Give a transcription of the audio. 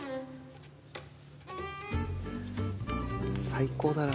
最高だな。